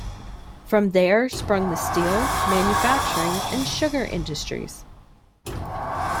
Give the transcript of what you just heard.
From there sprung the steel, manufacturing and sugar industries.